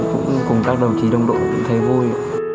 cũng cùng các đồng chí đồng đội cũng thấy vui